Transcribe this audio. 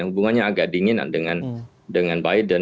hubungannya agak dinginan dengan biden